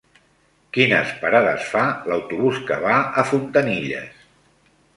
Quines parades fa l'autobús que va a Fontanilles?